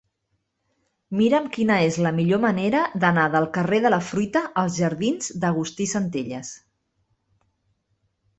Mira'm quina és la millor manera d'anar del carrer de la Fruita als jardins d'Agustí Centelles.